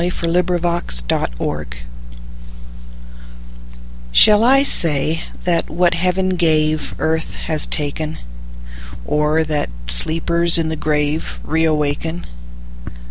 Witter Bynner Sentence SHALL I say that what heaven gaveEarth has taken?—Or that sleepers in the graveReawaken?